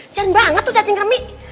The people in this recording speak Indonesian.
sering banget tuh chatting remi